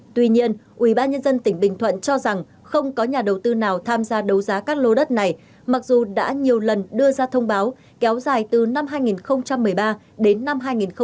tuy nhiên ubnd tỉnh bình thuận cho rằng không có nhà đầu tư nào tham gia đấu giá các lô đất này mặc dù đã nhiều lần đưa ra thông báo kéo dài từ năm hai nghìn một mươi ba đến năm hai nghìn một mươi tám